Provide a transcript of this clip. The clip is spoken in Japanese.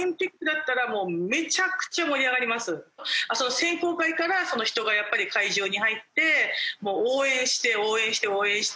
選考会から人がやっぱり会場に入ってもう応援して応援して応援して。